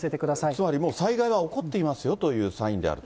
つまりもう災害は起こっていますよというサインであると。